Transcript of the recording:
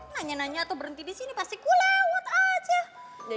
nanya nanya tuh berhenti di sini pasti ku lewat aja